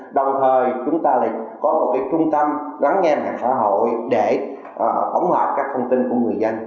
đồng thời chúng ta lại có một trung tâm lắng nghe mạng xã hội để tổng hợp các thông tin của người dân